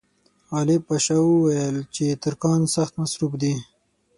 غالب پاشا وویل چې ترکان سخت مصروف دي.